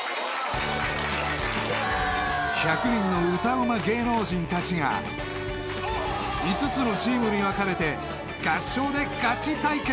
ウマ芸能人たちが５つのチームに分かれて合唱でガチ対決］